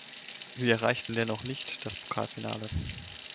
Sie erreichten dennoch nicht das Pokalfinale.